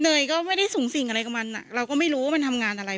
เนยก็ไม่ได้สูงสิ่งอะไรกับมันเราก็ไม่รู้ว่ามันทำงานอะไร